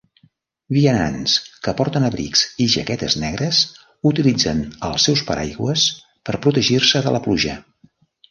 Vianants que porten abrics i jaquetes negres utilitzen els seus paraigües per protegir-se de la pluja.